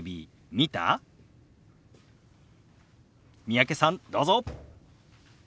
三宅さんどうぞ。